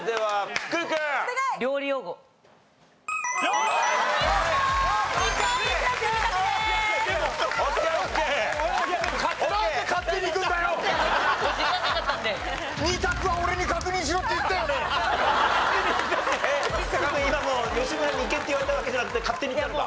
福君今吉村にいけって言われたわけじゃなくて勝手にいったのか。